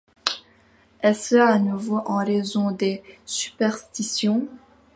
Est-ce à nouveau en raison des superstitions?